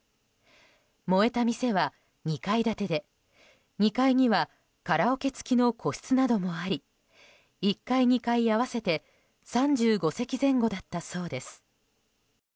燃えた店は２階建てで２階にはカラオケ付きの個室などもあり１階２階合わせて３５席前後だったそうです。